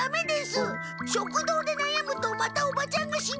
食堂でなやむとまたおばちゃんが心配しますから。